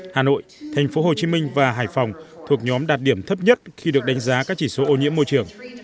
hà nội thành phố hồ chí minh và hải phòng thuộc nhóm đạt điểm thấp nhất khi được đánh giá các chỉ số ô nhiễm môi trường